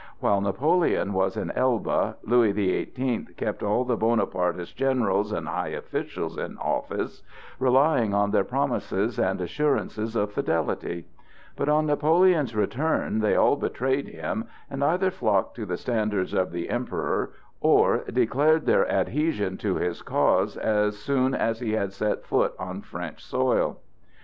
While Napoleon was in Elba, Louis the Eighteenth kept all the Bonapartist generals and high officials in office, relying on their promises and assurances of fidelity; but on Napoleon's return they all betrayed him, and either flocked to the standards of the Emperor or declared their adhesion to his cause as soon as he had set foot on French soil.